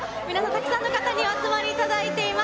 たくさんの方にお集まりいただいています。